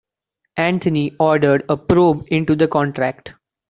Antony ordered a probe into the contract.